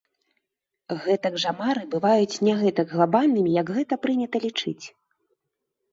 Гэтак жа мары бываюць не гэтак глабальнымі, як гэта прынята лічыць.